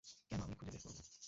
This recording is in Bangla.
কেন, আমি খুঁজে বের করব।